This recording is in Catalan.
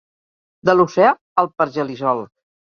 De l'oceà al pergelisol.